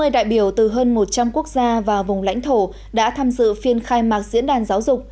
ba trăm năm mươi đại biểu từ hơn một trăm linh quốc gia và vùng lãnh thổ đã tham dự phiên khai mạc diễn đàn giáo dục